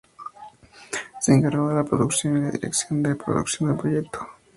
Se encargó de la producción y la dirección de producción del proyecto.